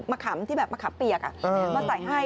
ขำที่แบบมะขามเปียกมาใส่ให้